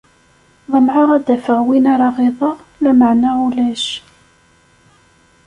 Ḍemɛeɣ ad afeɣ win ara ɣiḍeɣ, lameɛna ulac!